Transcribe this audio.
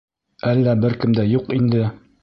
Әллә бер кем дә юҡ инде?..